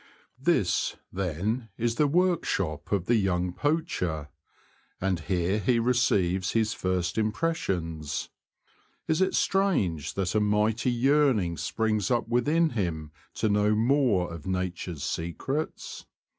This, then, is the workshop of the young poacher, and here he receives his first im pressions. Is it strange that a mighty yearning springs up within him to know more of nature's secrets